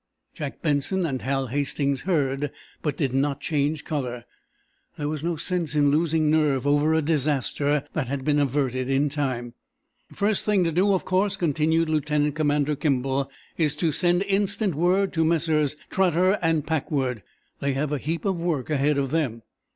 Jack Benson and Hal Hastings heard, but did not change color. There was no sense in losing nerve over a disaster that had been averted in time. "The first thing to do, of course," continued Lieutenant Commander Kimball, "is to send instant word to Messrs. Trotter and Packwood. They have a heap of work ahead of them."